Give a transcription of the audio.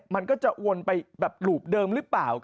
มันก็จะวนไปแบบรูปเดิมหรือเปล่า